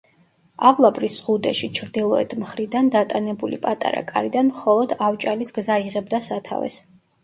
ავლაბრის ზღუდეში ჩრდილოეთ მხრიდან დატანებული „პატარა კარიდან“ მხოლოდ „ავჭალის გზა“ იღებდა სათავეს.